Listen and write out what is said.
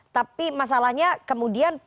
tapi masalahnya kemudian